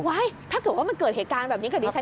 ถ้าเกิดว่ามันเกิดเหตุการณ์แบบนี้กับดิฉัน